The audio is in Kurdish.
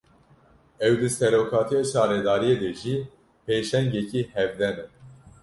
Ew, di serokatiya şaredariyê de jî pêşengekî hevdem e